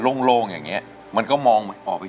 ทั้งในเรื่องของการทำงานเคยทำนานแล้วเกิดปัญหาน้อย